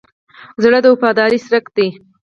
زړه د وفادارۍ څرک دی.